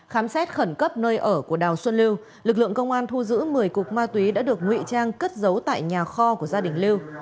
khám xét khẩn cấp nơi ở của đào xuân lưu lực lượng công an thu giữ một mươi cục ma túy đã được ngụy trang cất giấu tại nhà kho của gia đình lưu